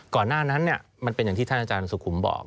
ก่อนหน้านั้นมันเป็นอย่างที่ท่านอาจารย์สุขุมบอก